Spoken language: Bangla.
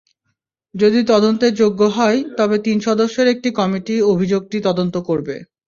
যদি তদন্তের যোগ্য হয়, তবে তিন সদস্যের একটি কমিটি অভিযোগটি তদন্ত করবে।